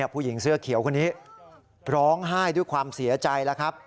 ผู้หญิงเสื้อเขียวคนนี้ร้องไห้ด้วยความเสียใจแล้วครับ